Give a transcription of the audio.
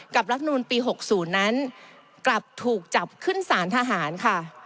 รัฐมนูลปี๖๐นั้นกลับถูกจับขึ้นสารทหารค่ะ